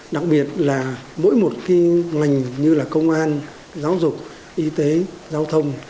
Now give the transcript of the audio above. đặc biệt là mỗi một cái ngành như là công an giáo dục y tế giao thông